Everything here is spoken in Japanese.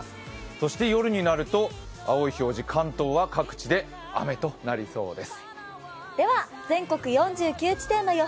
そして夜になると青い表示、関東各地は雨となりそうです。